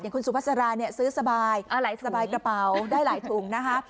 คุณสุภาษาราเนี่ยซื้อสบายสบายกระเป๋าได้หลายถุงนะคะ